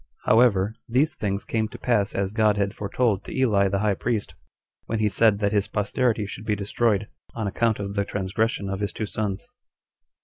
However, these things came to pass as God had foretold to Eli the high priest, when he said that his posterity should be destroyed, on account of the transgression of his two sons.